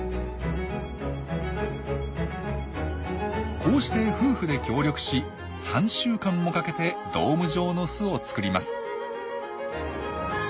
こうして夫婦で協力し３週間もかけてドーム状の巣を作ります。